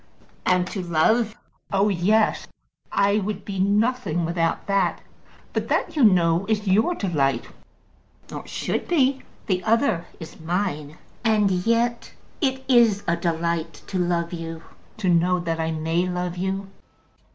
"And to love." "Oh, yes. I would be nothing without that. But that, you know, is your delight, or should be. The other is mine. And yet it is a delight to love you; to know that I may love you."